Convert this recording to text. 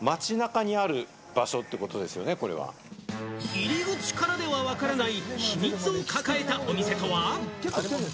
入り口からではわからない秘密を抱えたお店とは？